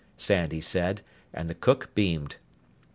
Sandy said, and the cook beamed.